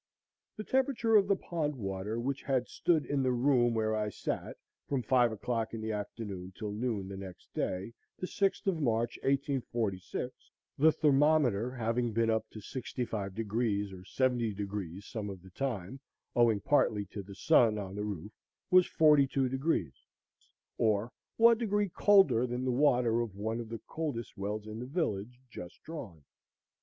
The temperature of the pond water which had stood in the room where I sat from five o'clock in the afternoon till noon the next day, the sixth of March, 1846, the thermometer having been up to 65° or 70° some of the time, owing partly to the sun on the roof, was 42°, or one degree colder than the water of one of the coldest wells in the village just drawn.